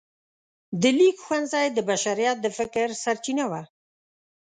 د لیک ښوونځی د بشریت د فکر سرچینه وه.